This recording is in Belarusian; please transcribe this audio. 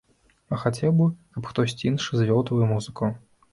А хацеў бы, каб хтосьці іншы звёў тваю музыку?